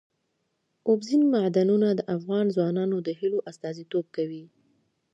اوبزین معدنونه د افغان ځوانانو د هیلو استازیتوب کوي.